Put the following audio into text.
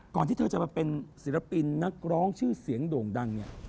ที่เธอจะมาเป็นศิลปินนักร้องชื่อเสียงโด่งดังเนี่ย